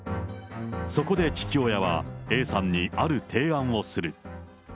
そこで父親は、Ａさんにある提案をする。